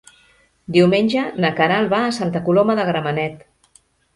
Diumenge na Queralt va a Santa Coloma de Gramenet.